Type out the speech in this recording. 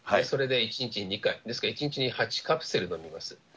それで１日２回、ですから１日に８カプセル飲みます。